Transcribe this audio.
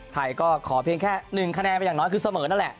ไทยก็ขอเพียงแค่๑คะแนนไปอย่างน้อยคือเสมอนั่นแหละ